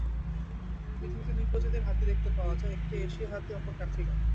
পৃথিবীতে দুই প্রজাতির হাতি দেখতে পাওয়া যায়, একটি এশীয় হাতি, অপরটি আফ্রিকান।